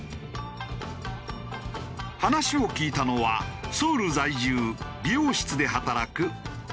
話を聞いたのはソウル在住美容室で働くユイさん。